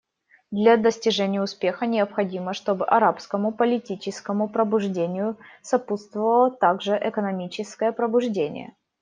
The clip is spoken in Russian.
Для достижения успеха необходимо, чтобы арабскому политическому пробуждению сопутствовало также экономическое пробуждение.